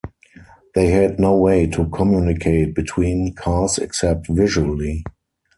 They had no way to communicate between cars except visually.